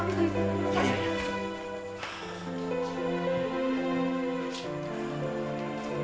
tunggu ibu ambil